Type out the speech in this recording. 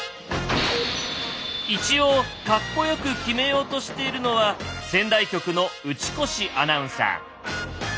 一応カッコよく決めようとしているのは仙台局の打越アナウンサー。